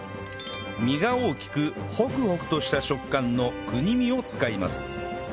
実が大きくホクホクとした食感の国見を使います